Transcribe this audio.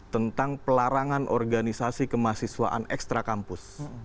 tentang pelarangan organisasi kemahasiswaan ekstra kampus